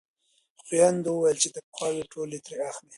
خویندو ویل چې تنخوا ټولې ترې اخلئ.